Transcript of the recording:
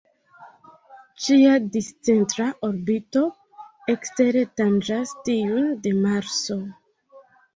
Ĝia discentra orbito ekstere tanĝas tiun de Marso.